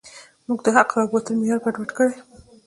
موږ د حق و باطل معیار ګډوډ کړی.